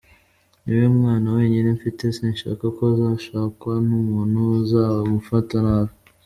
Ni we mwana wenyine mfite, sinshaka ko azashakwa n’umuntu uzamufata nabi.